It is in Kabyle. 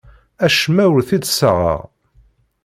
Acemma ur t-id-ssaɣeɣ.